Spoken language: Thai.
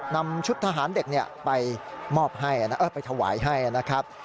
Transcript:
นำชุดทหารเด็กไปทวายให้นะครับ